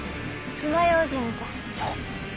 つまようじみたい。